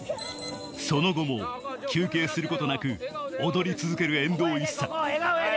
その後も休憩することなく踊り続ける遠藤ＩＳＳＡ